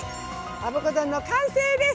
「アボカ丼」の完成です。